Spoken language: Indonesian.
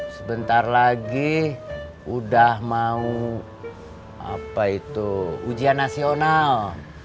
sebentar lagi udah mau apa itu ujian nasional